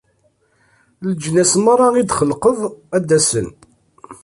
Leǧnas merra i d-txelqeḍ, ad d-asen.